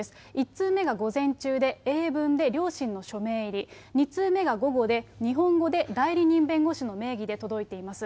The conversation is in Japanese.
１通目が午前中で、英文で両親の署名入り、２通目が午後で、日本語で代理人弁護士の名義で届いています。